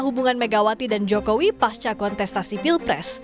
hubungan megawati dan jokowi pasca kontesta sipil pres